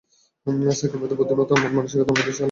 সাইকোপ্যাথের বুদ্ধিমত্তা, মন-মানসিকতা অন্যদের চেয়ে আলাদা।